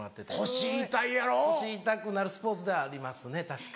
腰痛くなるスポーツではありますね。